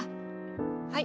はい。